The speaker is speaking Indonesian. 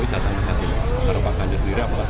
ya tinggal nanti dikenal